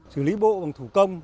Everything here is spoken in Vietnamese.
xử lý bộ bằng thủ công